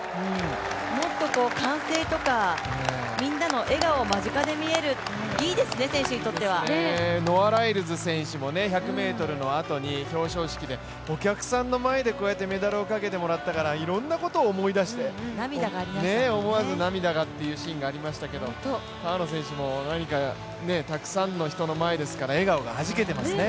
歓声とかみんなの姿が間近で見える、ノア・ライルズ選手も１００ｍのあとに表彰式でお客さんの前でこうやってメダルをかけてもらったからいろんなことを思い出して思わず涙がというシーンがありましたけど川野選手もたくさんの人の前ですから、笑顔がはじけていますね。